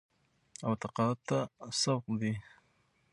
او تقاعد ته سوق دي